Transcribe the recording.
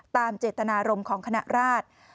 ตามเจตนารมณ์ของคณะราช